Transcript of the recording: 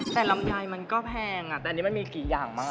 แต่ลำไยมันก็แพงแต่อันนี้มันมีกี่อย่างมาก